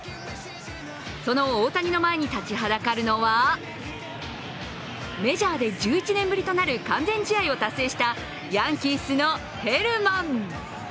その大谷の前に立ちはだかるのはメジャーで１１年ぶりとなる完全試合を達成したヤンキースのヘルマン。